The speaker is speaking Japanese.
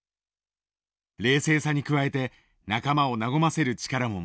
冷静さに加えて仲間を和ませる力も持つ。